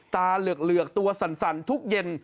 ตาเหลือกตัวสั่นทุกเย็น